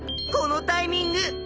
このタイミング！